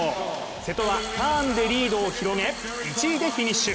瀬戸はターンでリードを広げ、１位でフィニッシュ。